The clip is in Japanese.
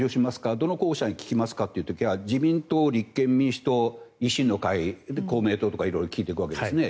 どの候補者に投票しますか？って聞く時には自民党、立憲民主党、維新の会公明党とか色々聞いていくわけですね。